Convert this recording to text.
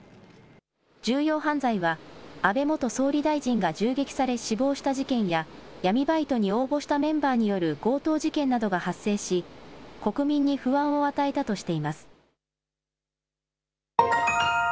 重要犯罪は安倍元総理大臣が銃撃され死亡した事件や闇バイトに応募したメンバーによる強盗事件などが発生し国民に不安を与えたとしています。